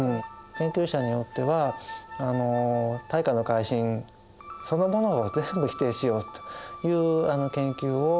研究者によっては大化の改新そのものを全部否定しようという研究をした人もいます。